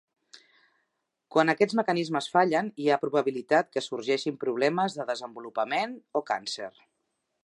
Quan aquests mecanismes fallen, hi ha probabilitat que sorgeixin problemes de desenvolupament o càncer.